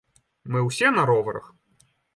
Мы ўсе на роварах.